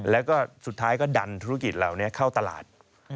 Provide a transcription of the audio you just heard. แล้วก็สุดท้ายก็ดันธุรกิจเหล่านี้เข้าตลาด